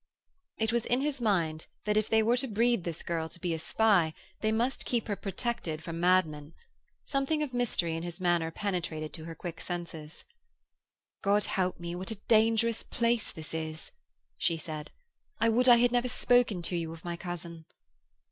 It was in his mind that if they were to breed this girl to be a spy they must keep her protected from madmen. Something of mystery in his manner penetrated to her quick senses. 'God help me, what a dangerous place this is!' she said. 'I would I had never spoken to you of my cousin.'